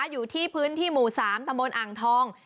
อยู่ที่พื้นที่หมู่๓ตะบนอ่างทอง